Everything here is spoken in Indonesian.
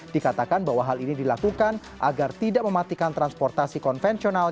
dikatakan bahwa hal ini dilakukan agar tidak mematikan transportasi konvensional